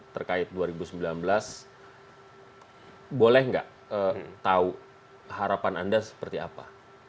terkait dua ribu sembilan belas boleh nggak tahu harapan anda seperti apa